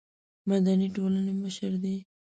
مدني ټولنې مشر دی.